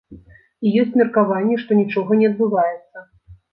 І ёсць меркаванне, што нічога не адбываецца.